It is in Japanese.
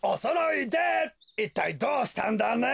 いったいどうしたんだね？